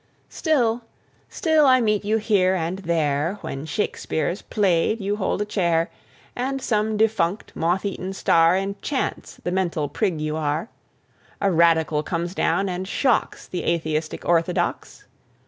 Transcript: Still—still I meet you here and there... When Shakespeare's played you hold a chair, And some defunct, moth eaten star Enchants the mental prig you are... A radical comes down and shocks The atheistic orthodox?